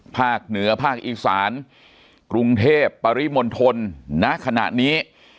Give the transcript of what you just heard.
ภาคเหนือภาคอีสานกรุงเทพปริมณฑลณขณะนี้